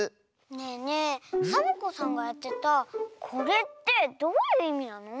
ねえねえサボ子さんがやってたこれってどういういみなの？